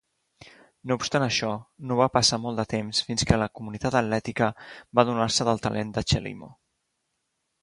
No obstant això, no va passar molt de temps fins que la comunitat atlètica va adonar-se del talent de Chelimo.